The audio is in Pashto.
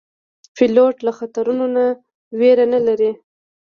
پیلوټ له خطرو نه ویره نه لري.